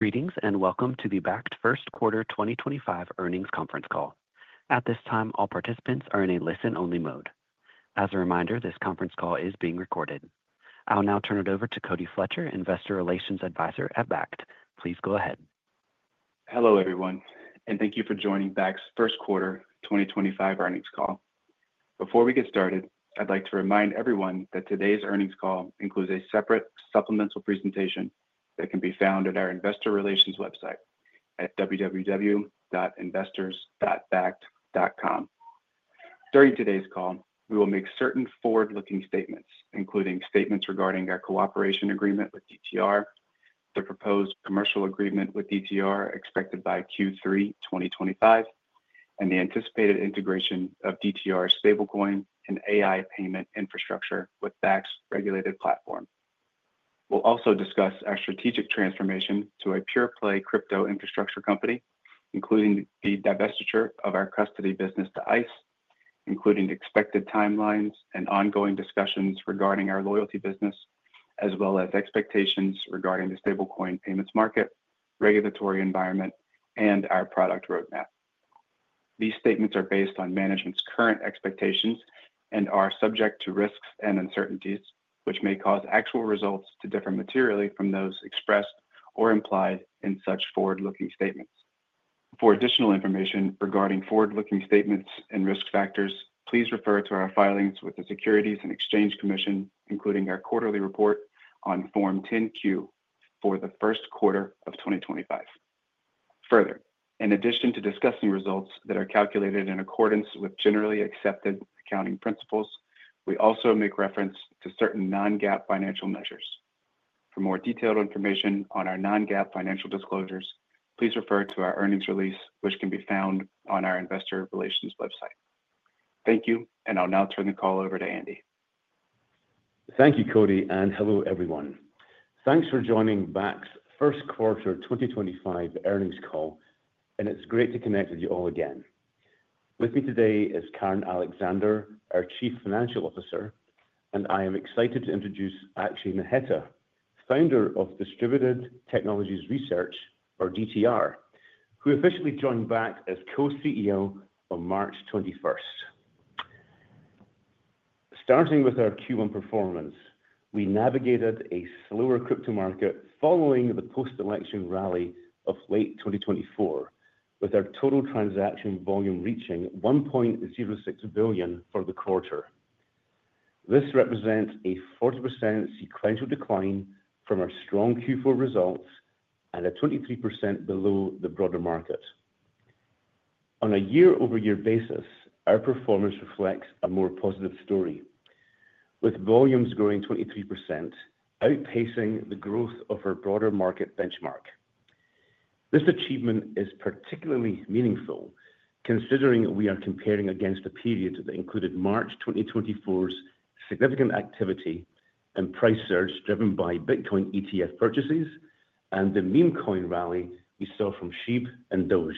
Greetings and welcome to the Bakkt First Quarter 2025 earnings conference call. At this time, all participants are in a listen-only mode. As a reminder, this conference call is being recorded. I'll now turn it over to Cody Fletcher, Investor Relations Advisor at Bakkt. Please go ahead. Hello everyone, and thank you for joining Bakkt's First Quarter 2025 earnings call. Before we get started, I'd like to remind everyone that today's earnings call includes a separate supplemental presentation that can be found at our Investor Relations website at www.investors.bakkt.com. During today's call, we will make certain forward-looking statements, including statements regarding our cooperation agreement with DTR, the proposed commercial agreement with DTR expected by Q3 2025, and the anticipated integration of DTR's stablecoin and AI payment infrastructure with Bakkt's regulated platform. We'll also discuss our strategic transformation to a pure-play crypto infrastructure company, including the divestiture of our custody business to Intercontinental Exchange, including expected timelines and ongoing discussions regarding our loyalty business, as well as expectations regarding the stablecoin payments market, regulatory environment, and our product roadmap. These statements are based on management's current expectations and are subject to risks and uncertainties, which may cause actual results to differ materially from those expressed or implied in such forward-looking statements. For additional information regarding forward-looking statements and risk factors, please refer to our filings with the Securities and Exchange Commission, including our quarterly report on Form 10Q for the first quarter of 2025. Further, in addition to discussing results that are calculated in accordance with generally accepted accounting principles, we also make reference to certain non-GAAP financial measures. For more detailed information on our non-GAAP financial disclosures, please refer to our earnings release, which can be found on our Investor Relations website. Thank you, and I'll now turn the call over to Andy. Thank you, Cody, and hello everyone. Thanks for joining Bakkt's First Quarter 2025 earnings call, and it's great to connect with you all again. With me today is Karen Alexander, our Chief Financial Officer, and I am excited to introduce Akshay Naheta, founder of Distributed Technologies Research, or DTR, who officially joined Bakkt as Co-CEO on March 21. Starting with our Q1 performance, we navigated a slower crypto market following the post-election rally of late 2024, with our total transaction volume reaching $1.06 billion for the quarter. This represents a 40% sequential decline from our strong Q4 results and a 23% below the broader market. On a year-over-year basis, our performance reflects a more positive story, with volumes growing 23%, outpacing the growth of our broader market benchmark. This achievement is particularly meaningful considering we are comparing against the period that included March 2024's significant activity and price surge driven by Bitcoin ETF purchases and the meme coin rally we saw from SHIB and DOGE.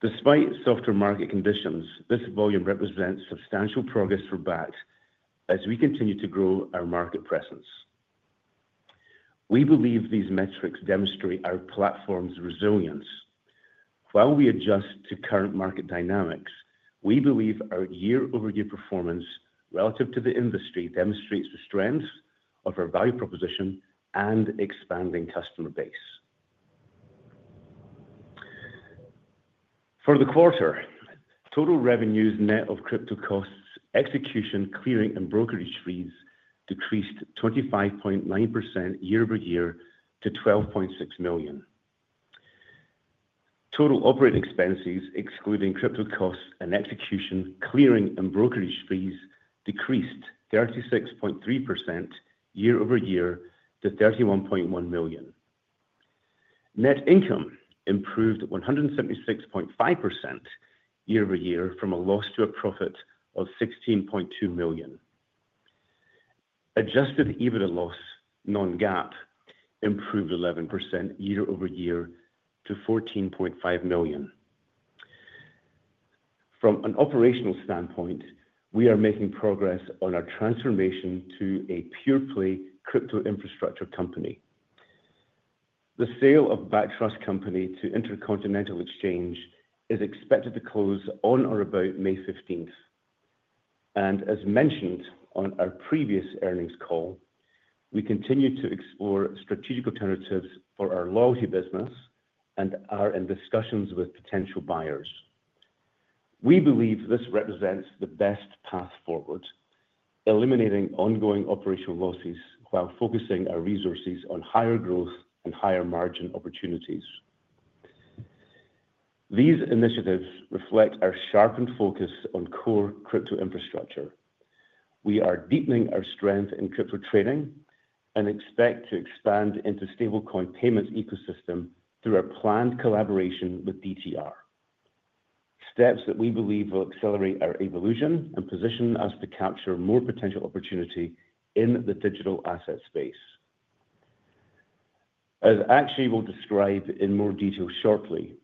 Despite softer market conditions, this volume represents substantial progress for Bakkt as we continue to grow our market presence. We believe these metrics demonstrate our platform's resilience. While we adjust to current market dynamics, we believe our year-over-year performance relative to the industry demonstrates the strength of our value proposition and expanding customer base. For the quarter, total revenues net of crypto costs, execution, clearing, and brokerage fees decreased 25.9% year-over-year to $12.6 million. Total operating expenses, excluding crypto costs and execution, clearing, and brokerage fees decreased 36.3% year-over-year to $31.1 million. Net income improved 176.5% year-over-year from a loss to a profit of $16.2 million. Adjusted EBITDA loss, non-GAAP, improved 11% year-over-year to $14.5 million. From an operational standpoint, we are making progress on our transformation to a pure-play crypto infrastructure company. The sale of Bakkt Trust Company to Intercontinental Exchange is expected to close on or about May 15th. As mentioned on our previous earnings call, we continue to explore strategic alternatives for our loyalty business and are in discussions with potential buyers. We believe this represents the best path forward, eliminating ongoing operational losses while focusing our resources on higher growth and higher margin opportunities. These initiatives reflect our sharpened focus on core crypto infrastructure. We are deepening our strength in crypto trading and expect to expand into the stablecoin payments ecosystem through our planned collaboration with DTR, steps that we believe will accelerate our evolution and position us to capture more potential opportunity in the digital asset space. As Akshay will describe in more detail shortly,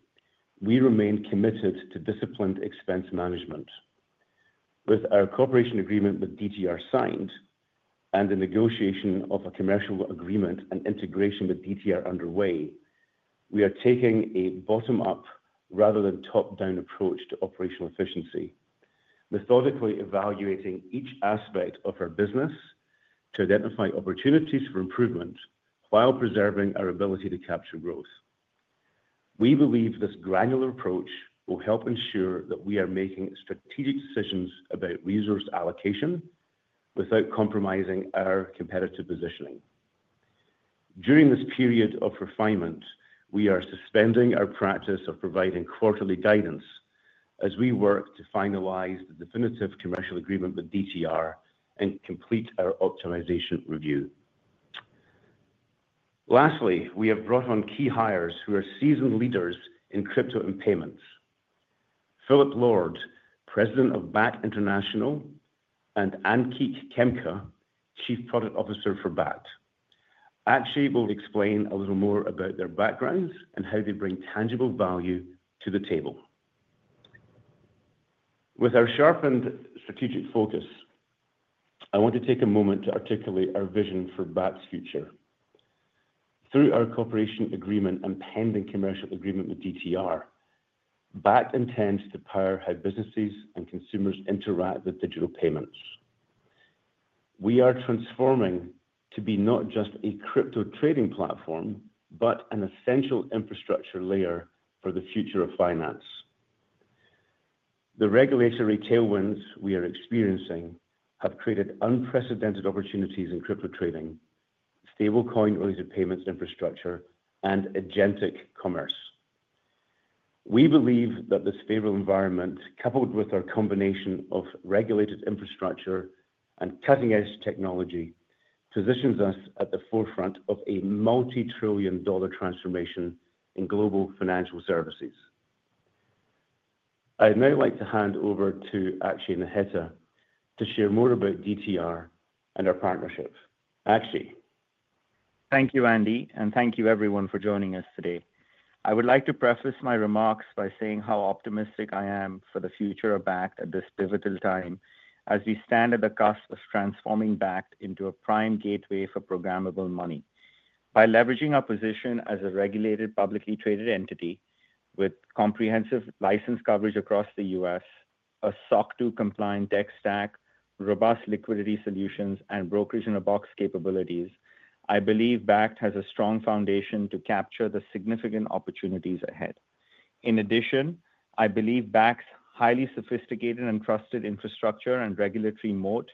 we remain committed to disciplined expense management. With our cooperation agreement with DTR signed and the negotiation of a commercial agreement and integration with DTR underway, we are taking a bottom-up rather than top-down approach to operational efficiency, methodically evaluating each aspect of our business to identify opportunities for improvement while preserving our ability to capture growth. We believe this granular approach will help ensure that we are making strategic decisions about resource allocation without compromising our competitive positioning. During this period of refinement, we are suspending our practice of providing quarterly guidance as we work to finalize the definitive commercial agreement with DTR and complete our optimization review. Lastly, we have brought on key hires who are seasoned leaders in crypto and payments: Phillip Lord, President of Bakkt International, and Ankit Khemka, Chief Product Officer for Bakkt. Akshay will explain a little more about their backgrounds and how they bring tangible value to the table. With our sharpened strategic focus, I want to take a moment to articulate our vision for Bakkt's future. Through our cooperation agreement and pending commercial agreement with DTR, Bakkt intends to power how businesses and consumers interact with digital payments. We are transforming to be not just a crypto trading platform, but an essential infrastructure layer for the future of finance. The regulatory tailwinds we are experiencing have created unprecedented opportunities in crypto trading, stablecoin-related payments infrastructure, and agentic commerce. We believe that this favorable environment, coupled with our combination of regulated infrastructure and cutting-edge technology, positions us at the forefront of a multi-trillion dollar transformation in global financial services. I'd now like to hand over to Akshay Naheta to share more about DTR and our partnership. Akshay. Thank you, Andy, and thank you everyone for joining us today. I would like to preface my remarks by saying how optimistic I am for the future of Bakkt at this pivotal time as we stand at the cusp of transforming Bakkt into a prime gateway for programmable money. By leveraging our position as a regulated publicly traded entity with comprehensive license coverage across the U.S., a SOC 2 compliant tech stack, robust liquidity solutions, and brokerage-in-a-box capabilities, I believe Bakkt has a strong foundation to capture the significant opportunities ahead. In addition, I believe Bakkt's highly sophisticated and trusted infrastructure and regulatory moat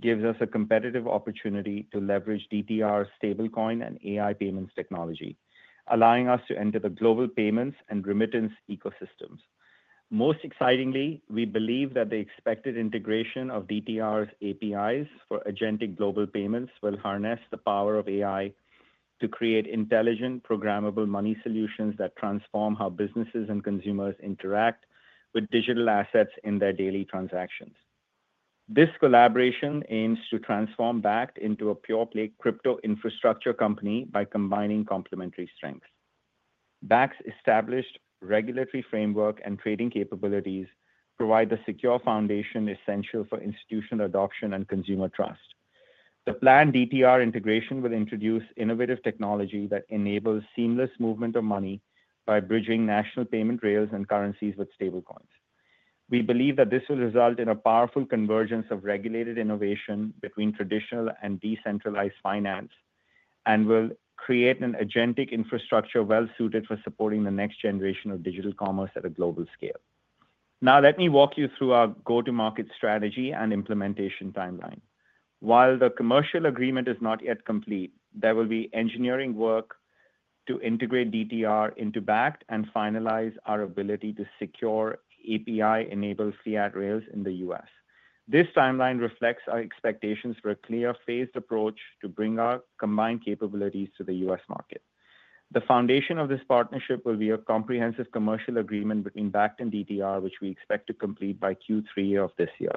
gives us a competitive opportunity to leverage DTR's stablecoin and AI payments technology, allowing us to enter the global payments and remittance ecosystems. Most excitingly, we believe that the expected integration of DTR's APIs for agentic global payments will harness the power of AI to create intelligent programmable money solutions that transform how businesses and consumers interact with digital assets in their daily transactions. This collaboration aims to transform Bakkt into a pure-play crypto infrastructure company by combining complementary strengths. Bakkt's established regulatory framework and trading capabilities provide the secure foundation essential for institutional adoption and consumer trust. The planned DTR integration will introduce innovative technology that enables seamless movement of money by bridging national payment rails and currencies with stablecoins. We believe that this will result in a powerful convergence of regulated innovation between traditional and decentralized finance and will create an agentic infrastructure well-suited for supporting the next generation of digital commerce at a global scale. Now, let me walk you through our go-to-market strategy and implementation timeline. While the commercial agreement is not yet complete, there will be engineering work to integrate DTR into Bakkt and finalize our ability to secure API-enabled fiat rails in the U.S. This timeline reflects our expectations for a clear phased approach to bring our combined capabilities to the U.S. market. The foundation of this partnership will be a comprehensive commercial agreement between Bakkt and DTR, which we expect to complete by Q3 of this year.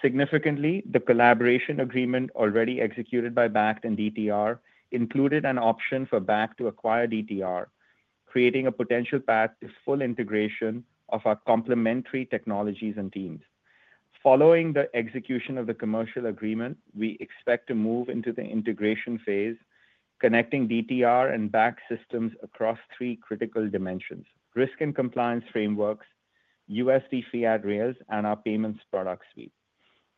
Significantly, the collaboration agreement already executed by Bakkt and DTR included an option for Bakkt to acquire DTR, creating a potential path to full integration of our complementary technologies and teams. Following the execution of the commercial agreement, we expect to move into the integration phase, connecting DTR and Bakkt systems across three critical dimensions: risk and compliance frameworks, USD fiat rails, and our payments product suite.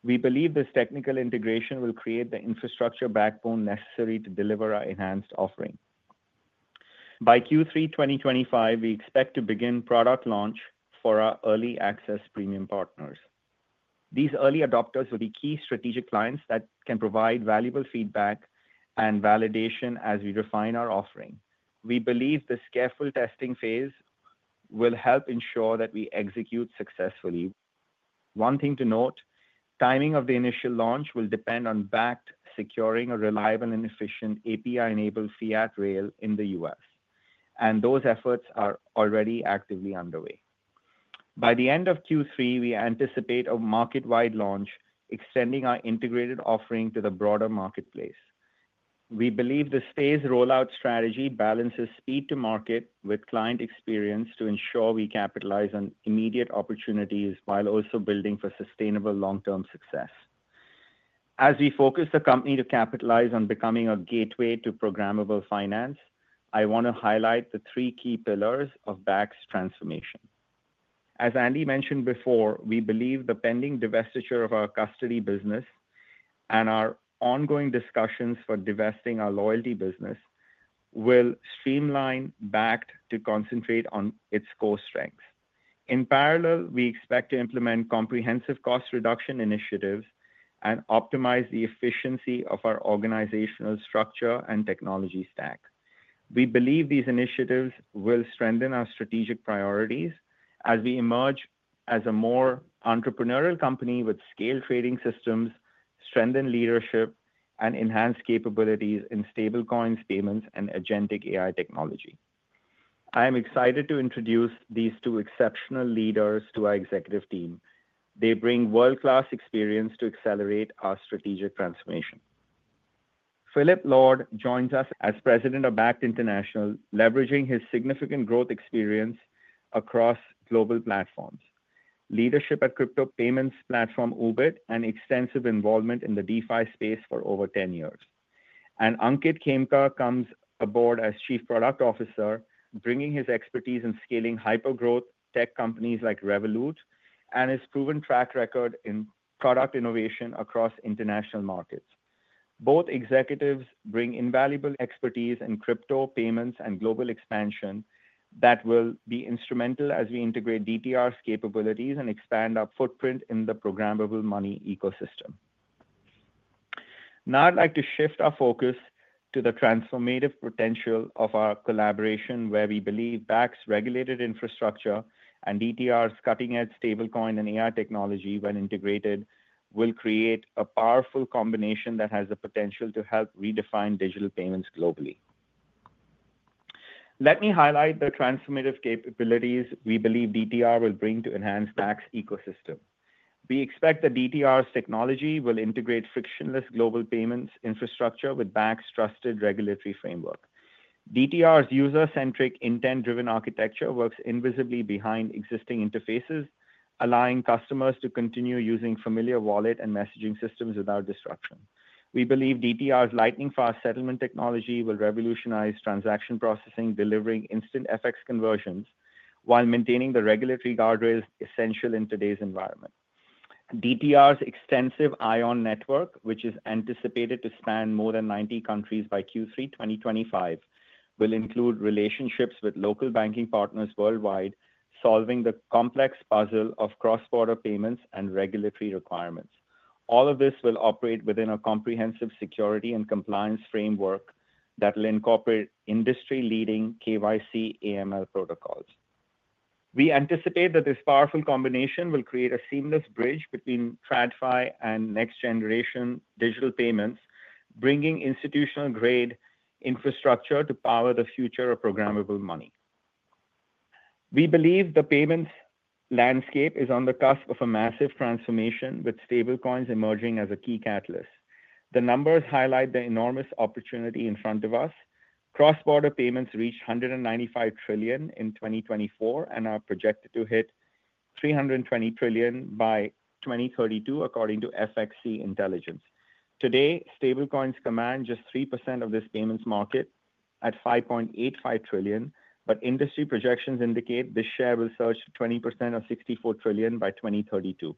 We believe this technical integration will create the infrastructure backbone necessary to deliver our enhanced offering. By Q3 2025, we expect to begin product launch for our early access premium partners. These early adopters will be key strategic clients that can provide valuable feedback and validation as we refine our offering. We believe this careful testing phase will help ensure that we execute successfully. One thing to note: timing of the initial launch will depend on Bakkt securing a reliable and efficient API-enabled fiat rail in the U.S., and those efforts are already actively underway. By the end of Q3, we anticipate a market-wide launch, extending our integrated offering to the broader marketplace. We believe this phased rollout strategy balances speed to market with client experience to ensure we capitalize on immediate opportunities while also building for sustainable long-term success. As we focus the company to capitalize on becoming a gateway to programmable finance, I want to highlight the three key pillars of Bakkt's transformation. As Andy mentioned before, we believe the pending divestiture of our custody business and our ongoing discussions for divesting our loyalty business will streamline Bakkt to concentrate on its core strengths. In parallel, we expect to implement comprehensive cost reduction initiatives and optimize the efficiency of our organizational structure and technology stack. We believe these initiatives will strengthen our strategic priorities as we emerge as a more entrepreneurial company with scale trading systems, strengthen leadership, and enhance capabilities in stablecoins, payments, and agentic AI technology. I am excited to introduce these two exceptional leaders to our executive team. They bring world-class experience to accelerate our strategic transformation. Philip Lord joins us as President of Bakkt International, leveraging his significant growth experience across global platforms, leadership at crypto payments platform Ubit, and extensive involvement in the DeFi space for over 10 years. Ankit Khemka comes aboard as Chief Product Officer, bringing his expertise in scaling hyper-growth tech companies like Revolut and his proven track record in product innovation across international markets. Both executives bring invaluable expertise in crypto payments and global expansion that will be instrumental as we integrate DTR's capabilities and expand our footprint in the programmable money ecosystem. Now, I'd like to shift our focus to the transformative potential of our collaboration, where we believe Bakkt's regulated infrastructure and DTR's cutting-edge stablecoin and AI technology, when integrated, will create a powerful combination that has the potential to help redefine digital payments globally. Let me highlight the transformative capabilities we believe DTR will bring to enhance Bakkt's ecosystem. We expect that DTR's technology will integrate frictionless global payments infrastructure with Bakkt's trusted regulatory framework. DTR's user-centric, intent-driven architecture works invisibly behind existing interfaces, allowing customers to continue using familiar wallet and messaging systems without disruption. We believe DTR's lightning-fast settlement technology will revolutionize transaction processing, delivering instant FX conversions while maintaining the regulatory guardrails essential in today's environment. DTR's extensive ION network, which is anticipated to span more than 90 countries by Q3 2025, will include relationships with local banking partners worldwide, solving the complex puzzle of cross-border payments and regulatory requirements. All of this will operate within a comprehensive security and compliance framework that will incorporate industry-leading KYC/AML protocols. We anticipate that this powerful combination will create a seamless bridge between TradFi and next-generation digital payments, bringing institutional-grade infrastructure to power the future of programmable money. We believe the payments landscape is on the cusp of a massive transformation, with stablecoins emerging as a key catalyst. The numbers highlight the enormous opportunity in front of us. Cross-border payments reached $195 trillion in 2024 and are projected to hit $320 trillion by 2032, according to FXC Intelligence. Today, stablecoins command just 3% of this payments market at $5.85 trillion, but industry projections indicate this share will surge to 20% of $64 trillion by 2032.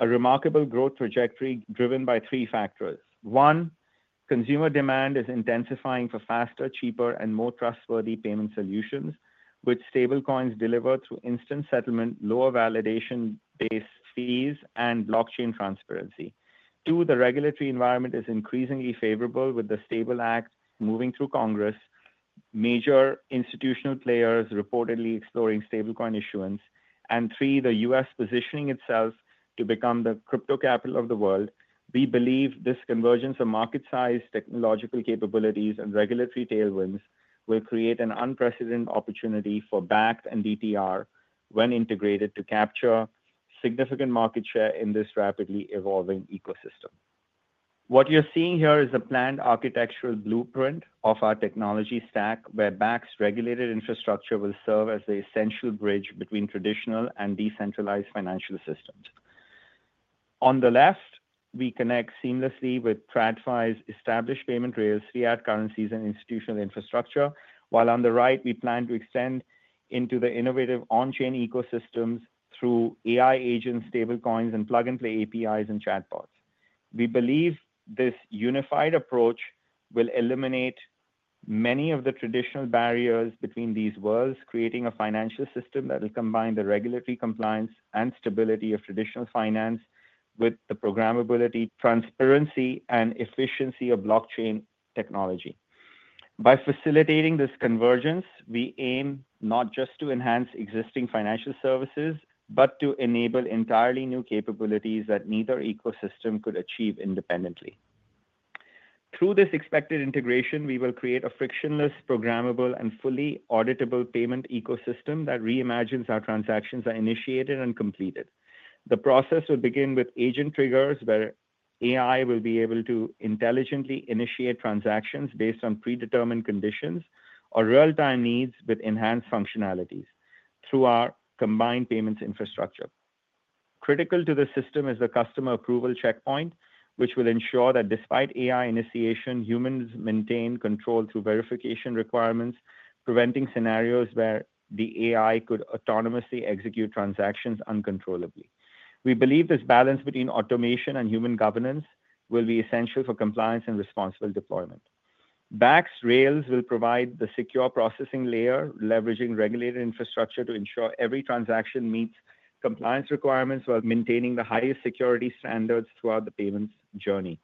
A remarkable growth trajectory driven by three factors. One, consumer demand is intensifying for faster, cheaper, and more trustworthy payment solutions, with stablecoins delivered through instant settlement, lower validation-based fees, and blockchain transparency. Two, the regulatory environment is increasingly favorable, with the Stable Act moving through Congress, major institutional players reportedly exploring stablecoin issuance. Three, the U.S. positioning itself to become the crypto capital of the world. We believe this convergence of market-sized technological capabilities and regulatory tailwinds will create an unprecedented opportunity for Bakkt and DTR when integrated to capture significant market share in this rapidly evolving ecosystem. What you're seeing here is a planned architectural blueprint of our technology stack, where Bakkt's regulated infrastructure will serve as the essential bridge between traditional and decentralized financial systems. On the left, we connect seamlessly with TradFi's established payment rails, fiat currencies, and institutional infrastructure, while on the right, we plan to extend into the innovative on-chain ecosystems through AI-agent stablecoins and plug-and-play APIs and chatbots. We believe this unified approach will eliminate many of the traditional barriers between these worlds, creating a financial system that will combine the regulatory compliance and stability of traditional finance with the programmability, transparency, and efficiency of blockchain technology. By facilitating this convergence, we aim not just to enhance existing financial services, but to enable entirely new capabilities that neither ecosystem could achieve independently. Through this expected integration, we will create a frictionless, programmable, and fully auditable payment ecosystem that reimagines how transactions are initiated and completed. The process will begin with agent triggers, where AI will be able to intelligently initiate transactions based on predetermined conditions or real-time needs with enhanced functionalities through our combined payments infrastructure. Critical to the system is the customer approval checkpoint, which will ensure that despite AI initiation, humans maintain control through verification requirements, preventing scenarios where the AI could autonomously execute transactions uncontrollably. We believe this balance between automation and human governance will be essential for compliance and responsible deployment. Bakkt's rails will provide the secure processing layer, leveraging regulated infrastructure to ensure every transaction meets compliance requirements while maintaining the highest security standards throughout the payments journey.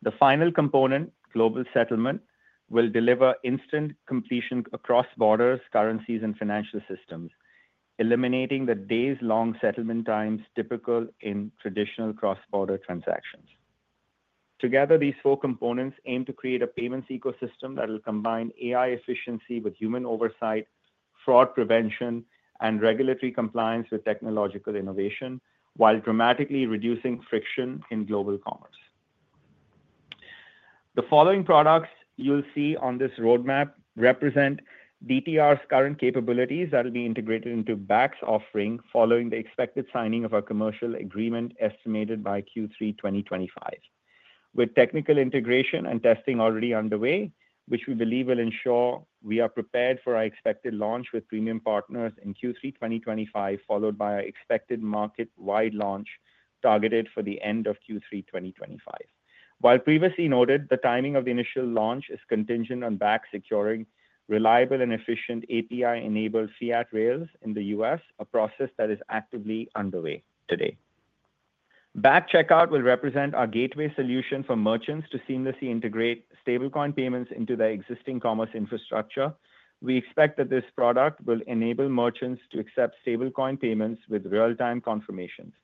The final component, global settlement, will deliver instant completion across borders, currencies, and financial systems, eliminating the days-long settlement times typical in traditional cross-border transactions. Together, these four components aim to create a payments ecosystem that will combine AI efficiency with human oversight, fraud prevention, and regulatory compliance with technological innovation, while dramatically reducing friction in global commerce. The following products you'll see on this roadmap represent DTR's current capabilities that will be integrated into Bakkt's offering following the expected signing of our commercial agreement estimated by Q3 2025, with technical integration and testing already underway, which we believe will ensure we are prepared for our expected launch with premium partners in Q3 2025, followed by our expected market-wide launch targeted for the end of Q3 2025. While previously noted, the timing of the initial launch is contingent on Bakkt securing reliable and efficient API-enabled fiat rails in the US, a process that is actively underway today. Bakkt Checkout will represent our gateway solution for merchants to seamlessly integrate stablecoin payments into their existing commerce infrastructure. We expect that this product will enable merchants to accept stablecoin payments with real-time confirmations,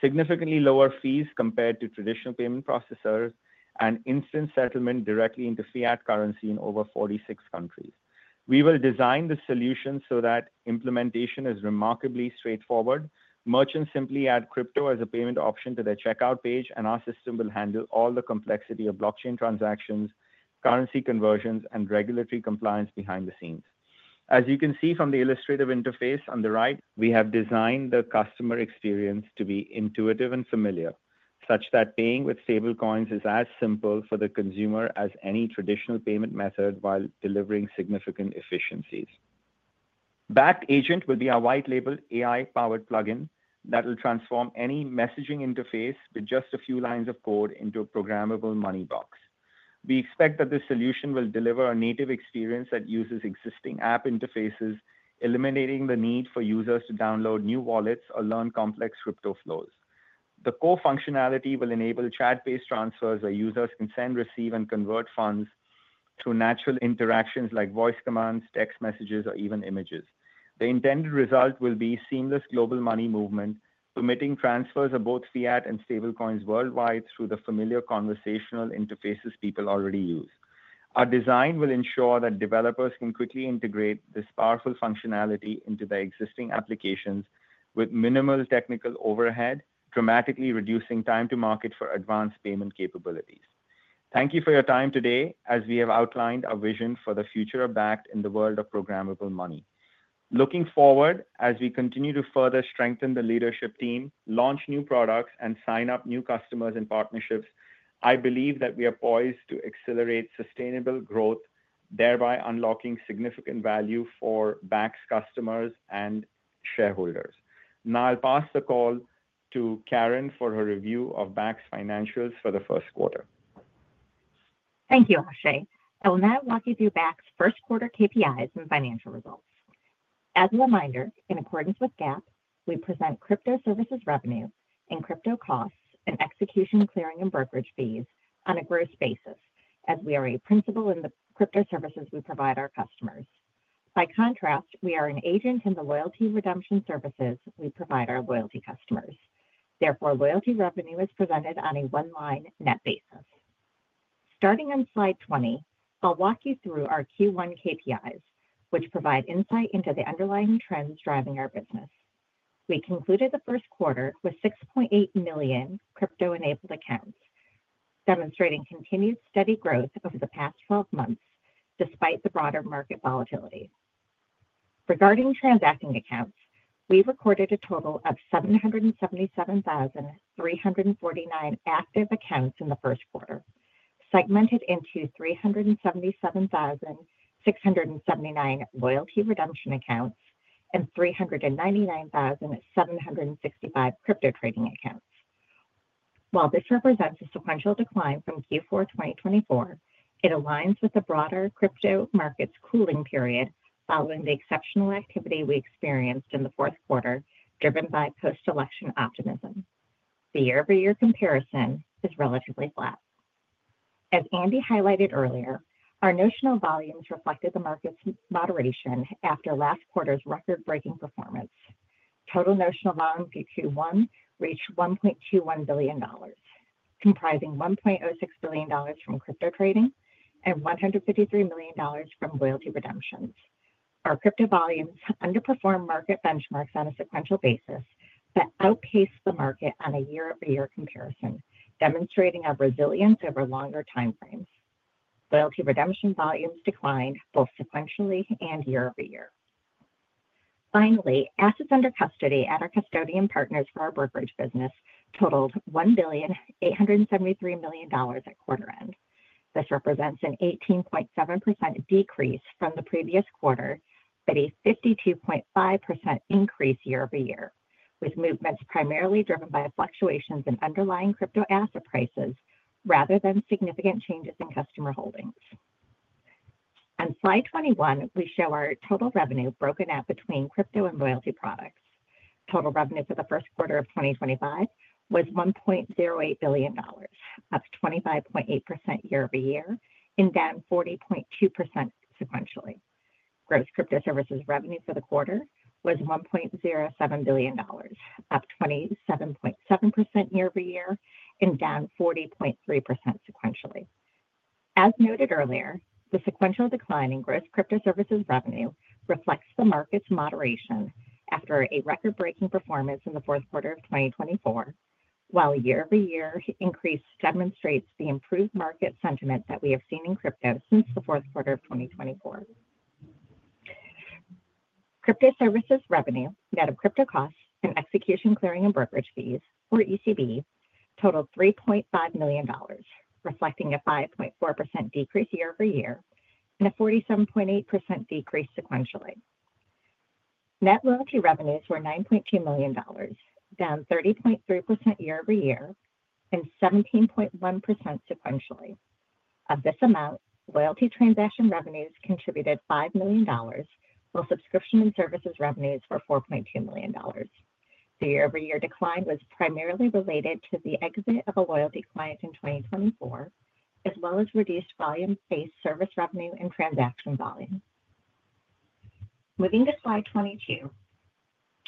significantly lower fees compared to traditional payment processors, and instant settlement directly into fiat currency in over 46 countries. We will design the solution so that implementation is remarkably straightforward. Merchants simply add crypto as a payment option to their checkout page, and our system will handle all the complexity of blockchain transactions, currency conversions, and regulatory compliance behind the scenes. As you can see from the illustrative interface on the right, we have designed the customer experience to be intuitive and familiar, such that paying with stablecoins is as simple for the consumer as any traditional payment method while delivering significant efficiencies. Bakkt Agent will be our white-labeled AI-powered plugin that will transform any messaging interface with just a few lines of code into a programmable money box. We expect that this solution will deliver a native experience that uses existing app interfaces, eliminating the need for users to download new wallets or learn complex crypto flows. The core functionality will enable chat-based transfers, where users can send, receive, and convert funds through natural interactions like voice commands, text messages, or even images. The intended result will be seamless global money movement, permitting transfers of both fiat and stablecoins worldwide through the familiar conversational interfaces people already use. Our design will ensure that developers can quickly integrate this powerful functionality into their existing applications with minimal technical overhead, dramatically reducing time to market for advanced payment capabilities. Thank you for your time today, as we have outlined our vision for the future of Bakkt in the world of programmable money. Looking forward, as we continue to further strengthen the leadership team, launch new products, and sign up new customers and partnerships, I believe that we are poised to accelerate sustainable growth, thereby unlocking significant value for Bakkt's customers and shareholders. Now, I'll pass the call to Karen for her review of Bakkt's financials for the first quarter. Thank you, Akshay. I will now walk you through Bakkt's first-quarter KPIs and financial results. As a reminder, in accordance with GAAP, we present crypto services revenue and crypto costs and execution, clearing, and brokerage fees on a gross basis, as we are a principal in the crypto services we provide our customers. By contrast, we are an agent in the loyalty redemption services we provide our loyalty customers. Therefore, loyalty revenue is presented on a one-line net basis. Starting on slide 20, I'll walk you through our Q1 KPIs, which provide insight into the underlying trends driving our business. We concluded the first quarter with 6.8 million crypto-enabled accounts, demonstrating continued steady growth over the past 12 months, despite the broader market volatility. Regarding transacting accounts, we recorded a total of 777,349 active accounts in the first quarter, segmented into 377,679 loyalty redemption accounts and 399,765 crypto trading accounts. While this represents a sequential decline from Q4 2024, it aligns with the broader crypto market's cooling period following the exceptional activity we experienced in the fourth quarter, driven by post-election optimism. The year-over-year comparison is relatively flat. As Andy highlighted earlier, our notional volumes reflected the market's moderation after last quarter's record-breaking performance. Total notional volume Q1 reached $1.21 billion, comprising $1.06 billion from crypto trading and $153 million from loyalty redemptions. Our crypto volumes underperform market benchmarks on a sequential basis but outpace the market on a year-over-year comparison, demonstrating our resilience over longer timeframes. Loyalty redemption volumes declined both sequentially and year-over-year. Finally, assets under custody at our custodian partners for our brokerage business totaled $1,873 million at quarter end. This represents an 18.7% decrease from the previous quarter, but a 52.5% increase year-over-year, with movements primarily driven by fluctuations in underlying crypto asset prices rather than significant changes in customer holdings. On slide 21, we show our total revenue broken up between crypto and loyalty products. Total revenue for the first quarter of 2025 was $1.08 billion, up 25.8% year-over-year, and down 40.2% sequentially. Gross crypto services revenue for the quarter was $1.07 billion, up 27.7% year-over-year, and down 40.3% sequentially. As noted earlier, the sequential decline in gross crypto services revenue reflects the market's moderation after a record-breaking performance in the fourth quarter of 2024, while the year-over-year increase demonstrates the improved market sentiment that we have seen in crypto since the fourth quarter of 2024. Crypto services revenue net of crypto costs and execution, clearing, and brokerage fees, or ECB, totaled $3.5 million, reflecting a 5.4% decrease year-over-year and a 47.8% decrease sequentially. Net loyalty revenues were $9.2 million, down 30.3% year-over-year and 17.1% sequentially. Of this amount, loyalty transaction revenues contributed $5 million, while subscription and services revenues were $4.2 million. The year-over-year decline was primarily related to the exit of a loyalty client in 2024, as well as reduced volume-based service revenue and transaction volume. Moving to slide 22,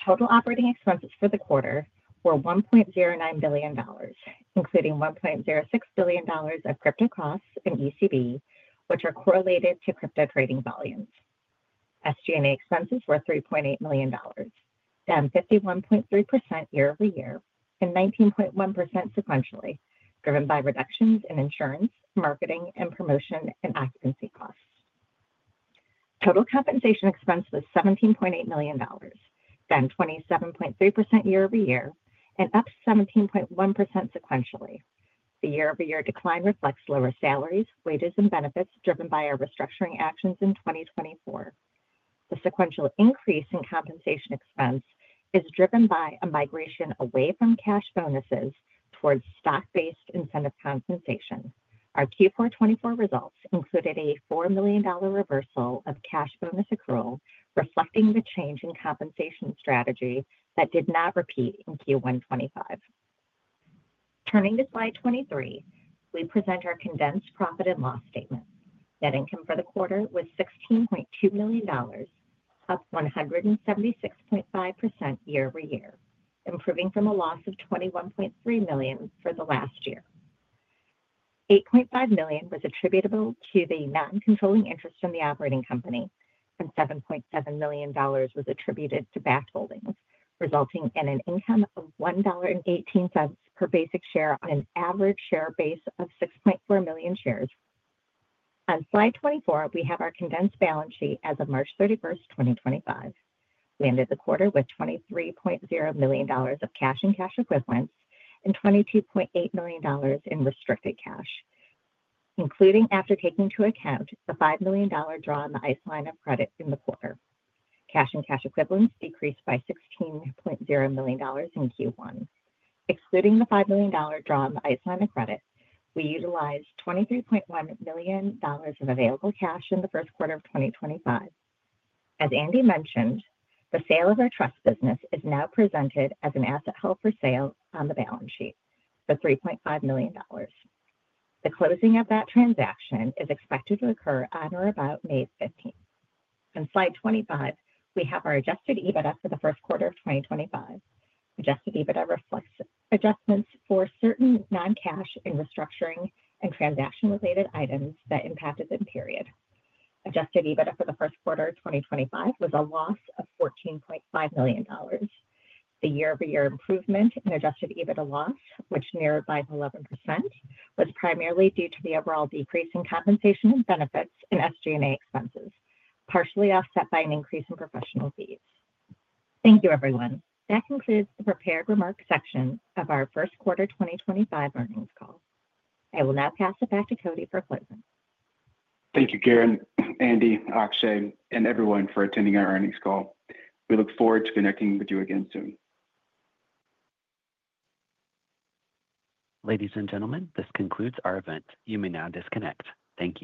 total operating expenses for the quarter were $1.09 billion, including $1.06 billion of crypto costs and ECB, which are correlated to crypto trading volumes. SG&A expenses were $3.8 million, down 51.3% year-over-year and 19.1% sequentially, driven by reductions in insurance, marketing, and promotion and occupancy costs. Total compensation expense was $17.8 million, down 27.3% year-over-year and up 17.1% sequentially. The year-over-year decline reflects lower salaries, wages, and benefits driven by our restructuring actions in 2024. The sequential increase in compensation expense is driven by a migration away from cash bonuses towards stock-based incentive compensation. Our Q4 2024 results included a $4 million reversal of cash bonus accrual, reflecting the change in compensation strategy that did not repeat in Q1 2025. Turning to slide 23, we present our condensed profit and loss statement. Net income for the quarter was $16.2 million, up 176.5% year-over-year, improving from a loss of $21.3 million for the last year. $8.5 million was attributable to the non-controlling interest in the operating company, and $7.7 million was attributed to Bakkt Holdings, resulting in an income of $1.18 per basic share on an average share base of 6.4 million shares. On slide 24, we have our condensed balance sheet as of March 31, 2025. We ended the quarter with $23.0 million of cash and cash equivalents and $22.8 million in restricted cash, including after taking into account the $5 million draw on the Icelandic credit in the quarter. Cash and cash equivalents decreased by $16.0 million in Q1. Excluding the $5 million draw on the Icelandic credit, we utilized $23.1 million of available cash in the first quarter of 2025. As Andy mentioned, the sale of our trust business is now presented as an asset held for sale on the balance sheet for $3.5 million. The closing of that transaction is expected to occur on or about May 15. On slide 25, we have our adjusted EBITDA for the first quarter of 2025. Adjusted EBITDA reflects adjustments for certain non-cash and restructuring and transaction-related items that impacted the period. Adjusted EBITDA for the first quarter of 2025 was a loss of $14.5 million. The year-over-year improvement in adjusted EBITDA loss, which narrowed by 11%, was primarily due to the overall decrease in compensation and benefits and SG&A expenses, partially offset by an increase in professional fees. Thank you, everyone. That concludes the prepared remark section of our first quarter 2025 earnings call. I will now pass it back to Cody for closing. Thank you, Karen, Andy, Akshay, and everyone for attending our earnings call. We look forward to connecting with you again soon. Ladies and gentlemen, this concludes our event. You may now disconnect. Thank you.